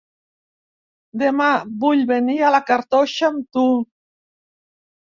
Demà vull venir a la Cartoixa amb tu.